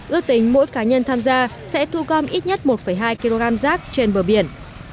ước tính mỗi cá nhân tham gia sẽ thu gom ít nhất một hai kg rác trên bờ biển